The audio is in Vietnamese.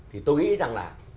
thì tôi nghĩ rằng là